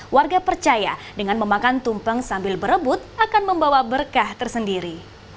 warga percaya dengan memakan tumpeng sambil berebut akan membawa berkah tersendiri